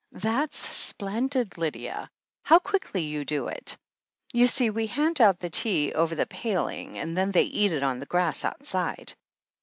"That's splendid, Lydia! How quickly you do it. You see, we hand out the tea over the paling, then they eat it on the grass outside.